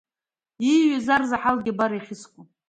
Ииҩыз арзаҳалгьы абар иахьыску!